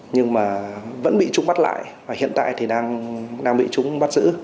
nhưng mà vẫn bị truy bắt lại và hiện tại thì đang bị chúng bắt giữ